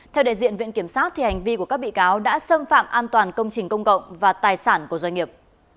theo đại diện viện kiểm sát hành vi của các bị cáo đã xâm phạm an toàn công trình công cộng và tài sản của doanh nghiệp